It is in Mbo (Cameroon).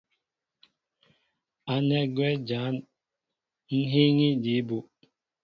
Ánɛ́ gwɛ́ jǎn ŋ́ hííŋí jǐ bú.